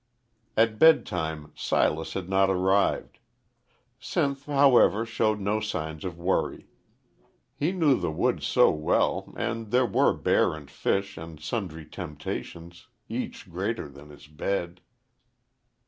At bedtime Silas had not arrived. Sinth, however, showed no sign of worry. He knew the woods so well, and there were bear and fish and sundry temptations, each greater than his bed.